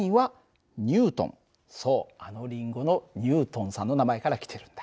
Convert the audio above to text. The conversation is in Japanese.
そうあのリンゴのニュートンさんの名前から来てるんだ。